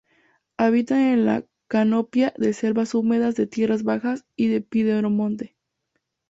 Habitan en la canopia de selvas húmedas de tierras bajas y de piedemonte.